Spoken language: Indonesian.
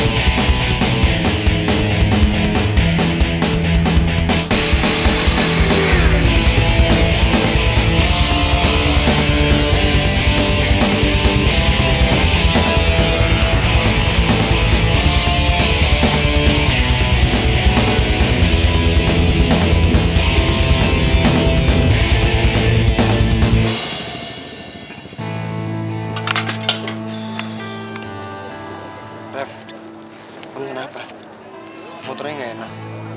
bun kenapa motornya gak enak